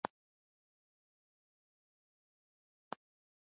دویم دلیل د پښتو ادبیاتو تشه ده.